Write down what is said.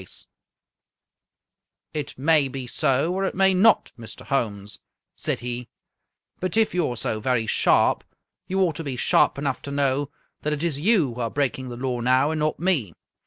59 Scotch Mystery Stories " It may be so, or it may not, Mr. Holmes," said he ;" but if you are so very sharp you ought to be sharp enough to know that it is you who are breaking the law now, and not me.